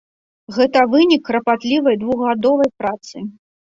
Гэта вынік карпатлівай двухгадовай працы.